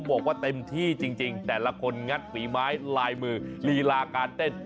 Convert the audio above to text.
บอกว่าเต็มที่จริงแต่ละคนงัดฝีไม้ลายมือลีลาการเต้น